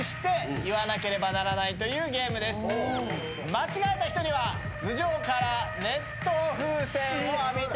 間違えた人には頭上から熱湯風船を浴びていただきます。